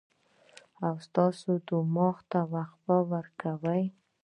او ستاسو دماغ ته وقفه ورکوي